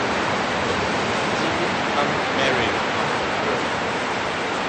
Sie liegt am Merrimack River.